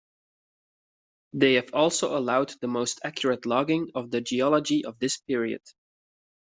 They have also allowed the most accurate logging of the geology of this period.